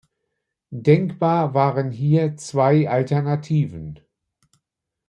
Denkbar waren hier zwei Alternativen.